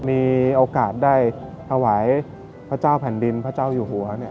มีโอกาสได้ถวายพระเจ้าแผ่นดินพระเจ้าอยู่หัว